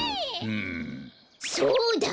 そうだ！